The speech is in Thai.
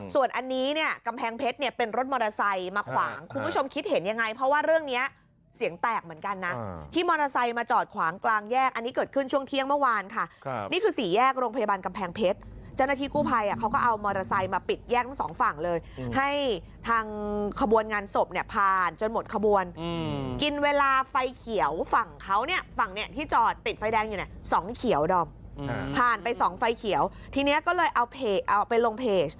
ส่วนอันนี้เนี่ยกำแพงเพชรเนี่ยเป็นรถมอเตอร์ไซค์มาขวางคุณผู้ชมคิดเห็นยังไงเพราะว่าเรื่องเนี่ยเสียงแตกเหมือนกันนะที่มอเตอร์ไซค์มาจอดขวางกลางแยกอันนี้เกิดขึ้นช่วงเที่ยงเมื่อวานค่ะนี่คือสี่แยกโรงพยาบาลกำแพงเพชรเจ้าหน้าที่กู้ภัยอ่ะเขาก็เอามอเตอร์ไซค์มาปิดแยกทั้งสองฝั่ง